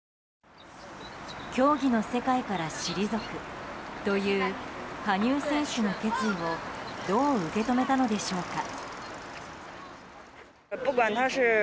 競技の世界から退くという羽生選手の決意をどう受け止めたのでしょうか。